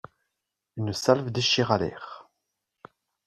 Une salve déchira l'air.